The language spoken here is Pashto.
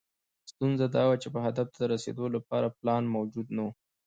ستونزه دا وه چې هدف ته د رسېدو لپاره پلان موجود نه و.